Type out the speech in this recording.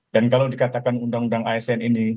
dan kalau dikatakan undang undang asn ini